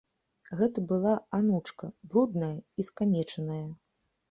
Гэта была анучка, брудная і скамечаная.